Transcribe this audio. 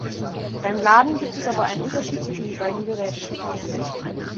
Beim Laden gibt es aber einen Unterschied zwischen den beiden Geräten.